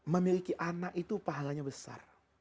memiliki anak itu pahalanya besar